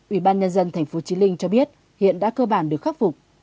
ủy ban nhân dân tp chí linh cho biết hiện đã cơ bản được khắc phục